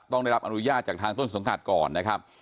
ต้องได้รับอนุญาตจากทางต้นสังกัดก่อนนะครับ